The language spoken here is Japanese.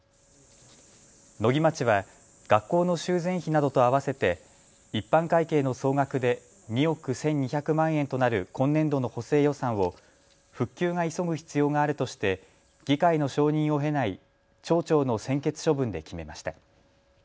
野木町は学校の修繕費などとあわせて一般会計の総額で２億１２００万円となる今年度の補正予算を復旧が急ぐ必要があるとして議会の承認を経ない町長の専決処分で決めました。